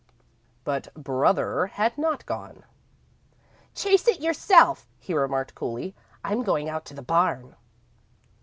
But "brother" had not gone. "Chase it yourself," he remarked, coolly. "I'm going out to the barn."